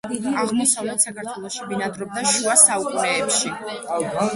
აღმოსავლეთ საქართველოში ბინადრობდა შუა საუკუნეებში.